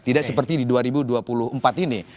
tidak seperti di dua ribu dua puluh empat ini